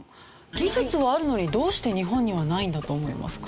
技術はあるのにどうして日本にはないんだと思いますか？